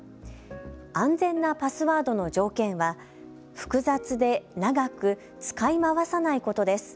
安全なパスワードの条件は複雑で長く、使い回さないことです。